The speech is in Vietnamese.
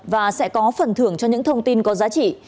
và sẽ có phần thưởng cho những thông tin có giá trị